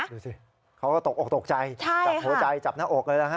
ดูสิเขาก็ตกออกตกใจจับหัวใจจับหน้าอกเลยนะฮะ